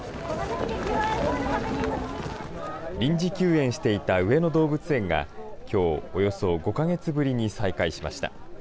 臨時休園していた上野動物園がきょう、およそ５か月ぶりに再開しました。